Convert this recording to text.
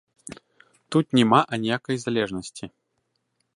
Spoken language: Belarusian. Тут няма аніякай залежнасці.